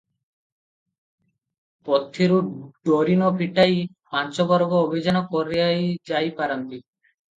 ପୋଥିରୁ ଡୋରି ନ ଫିଟାଇ ପାଞ୍ଚ ବର୍ଗ ଅଭିଯାନ କରାଯାଇପାରନ୍ତି ।